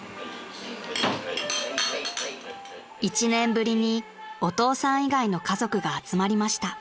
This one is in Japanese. ［１年ぶりにお父さん以外の家族が集まりました］